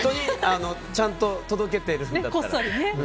ちゃんと届けてるんだったら。